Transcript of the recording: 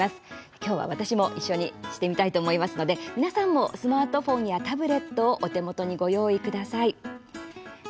今日は私も一緒にしてみたいと思いますので、皆さんもスマートフォンやタブレットをお手元にご用意ください。